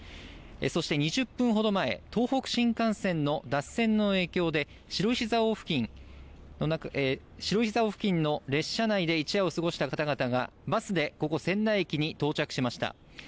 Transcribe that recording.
そして２０分ほど前、東北新幹線の脱線の影響で、白石蔵王付近の列車内で一夜を過ごした方々が、バスでここ、仙台駅に到着しました。